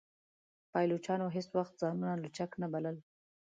پایلوچانو هیڅ وخت ځانونه لوچک نه بلل.